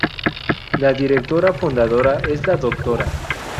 La directora fundadora es la Dra.